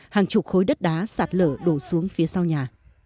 hàng chục khối đất đá sạt lở đổ xuống phía sau nhà